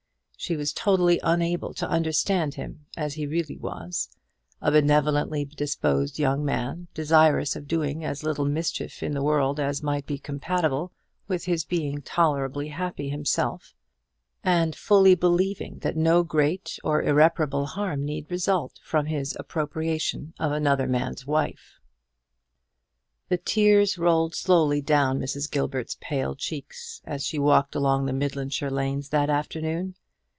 She was totally unable to understand him as he really was a benevolently disposed young man, desirous of doing as little mischief in the world as might be compatible with his being tolerably happy himself; and fully believing that no great or irreparable harm need result from his appropriation of another man's wife. The tears rolled slowly down Mrs. Gilbert's pale cheeks as she walked along the Midlandshire lanes that afternoon.